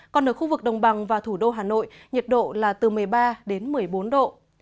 còn ở khu vực đồng bằng và thủ đô hà nội nhiệt độ là từ một mươi ba đến một mươi bốn độ